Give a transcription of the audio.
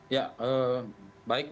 ya baik terima kasih mbak